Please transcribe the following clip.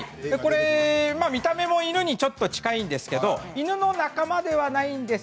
見た目も犬にちょっと近いんですけど犬の仲間ではないんです。